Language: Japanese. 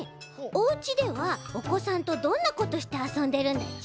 おうちではおこさんとどんなことしてあそんでるんだち？